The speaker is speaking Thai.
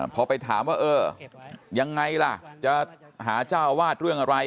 พอไปถามว่าเออยังไงล่ะจะหาเจ้าอาวาสเรื่องอะไร